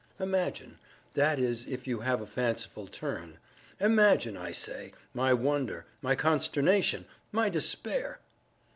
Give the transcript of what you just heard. Imagine—that is if you have a fanciful turn—imagine, I say, my wonder—my consternation—my despair!